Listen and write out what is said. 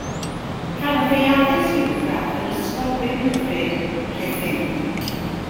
Cafodd ei addysg uwchradd yn Ysgol Brynhyfryd, Rhuthun.